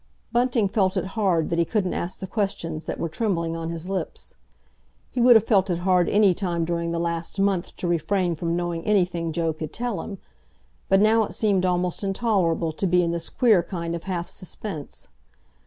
Bunting felt it hard that he couldn't ask the questions that were trembling on his lips; he would have felt it hard any time during the last month to refrain from knowing anything Joe could tell him, but now it seemed almost intolerable to be in this queer kind of half suspense.